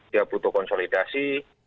dia butuh konsolidasi